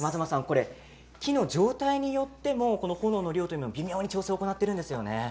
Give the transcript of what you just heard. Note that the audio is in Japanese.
木の状態によっても炎の量が微妙に調整を行っているんですよね。